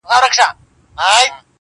خان به د لویو دښمنیو فیصلې کولې!.